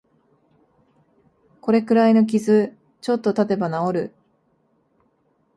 これくらいの傷、ちょっとたてば治る